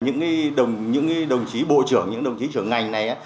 những đồng chí bộ trưởng những đồng chí trưởng ngành này